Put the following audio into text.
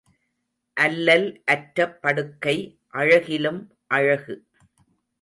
அல்லல் அற்ற படுக்கை அழகிலும் அழகு.